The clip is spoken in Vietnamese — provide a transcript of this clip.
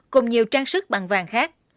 cùng nhiều trang sức bằng vàng khác